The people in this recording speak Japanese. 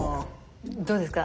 どうですか？